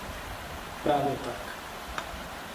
Právě tak.